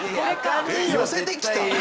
寄せて来た。